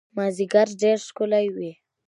مازیګر ډېر ښکلی وي